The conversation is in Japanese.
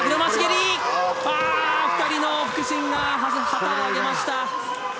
２人の副審が旗を上げました。